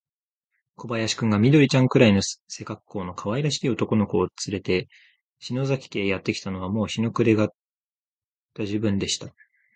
小林君が、緑ちゃんくらいの背かっこうのかわいらしい男の子をつれて、篠崎家へやってきたのは、もう日の暮れがた時分でした。